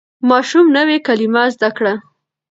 ماشوم نوې کلمه زده کړه